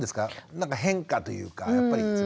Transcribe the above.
なんか変化というかやっぱりそれは。